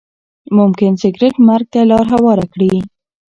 ممکن سګریټ مرګ ته لاره هواره کړي.